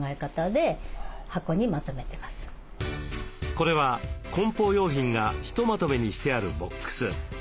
これは梱包用品がひとまとめにしてあるボックス。